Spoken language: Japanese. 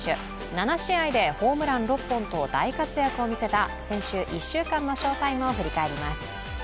７試合でホームラン６本と大活躍を見せた先週１週間の翔タイムを振り返ります。